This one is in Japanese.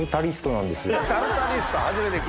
タルタリスト。